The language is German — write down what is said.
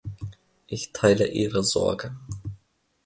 Ich teile Ihre Sorge.